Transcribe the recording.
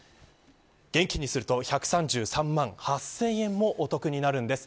現金にすると１３３万８０００円もお得になるんです。